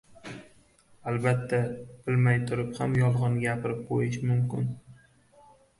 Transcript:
Albatta, bilmay turib ham yolg‘on gapirib qo‘yish mumkin